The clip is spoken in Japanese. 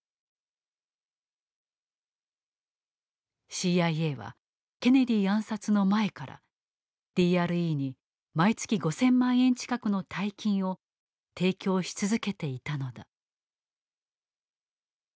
ＣＩＡはケネディ暗殺の前からＤＲＥに毎月５０００万円近くの大金を提供し続けていたのだ。